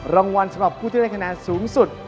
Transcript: รางวัลสำหรับผู้ที่ได้คะแนนสูงสุด